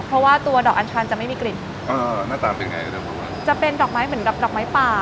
เพราะว่าตัวดอกอัญชันจะไม่มีกลิ่นเออหน้าตาเป็นไงจะเป็นดอกไม้เหมือนกับดอกไม้ป่า